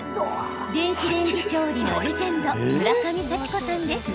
電子レンジ調理のレジェンド村上祥子さんです。